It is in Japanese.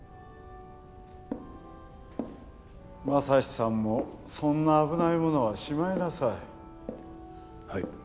匡さんもそんな危ないものはしまいなさい。